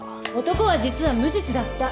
男は実は無実だった。